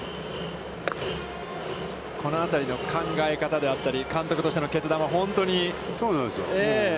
この辺りの考え方であったり監督としての決断は本当に。